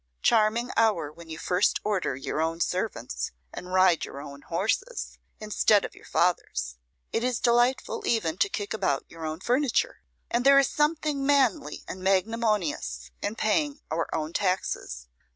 Charming hour when you first order your own servants, and ride your own horses, instead of your father's! It is delightful even to kick about your own furniture; and there is something manly and magnanimous in paying our own taxes.